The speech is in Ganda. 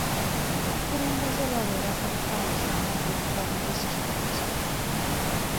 Abakulembeze baawera okutambuza amanda okuva mu disitulikiti.